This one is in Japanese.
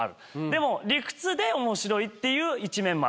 でも理屈で面白いっていう一面もある。